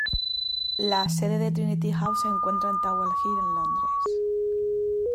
La sede de Trinity House se encuentra en Tower Hill, en Londres.